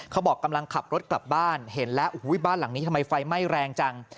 กำลังขับรถกลับบ้านเห็นแล้วบ้านหลังนี้ทำไมไฟไหม้แรงจัง